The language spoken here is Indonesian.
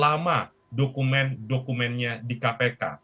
lama dokumen dokumennya di kpk